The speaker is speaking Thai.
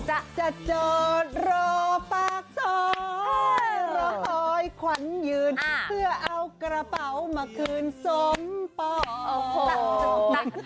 จะจะจอดรอปากซอยรอคอยขวัญยืนเพื่อเอากระเป๋ามาคืนสมปอง